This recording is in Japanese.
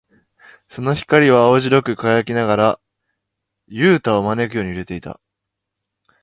その光は青白く輝きながら、ユウタを招くように揺れていた。